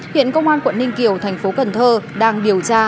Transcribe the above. hiện công an quận ninh kiều thành phố cần thơ đang điều tra